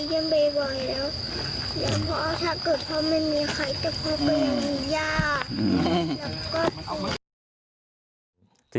แล้วก็